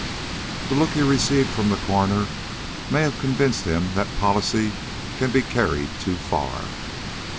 The look he received from the coroner may have convinced him that policy can be carried too far.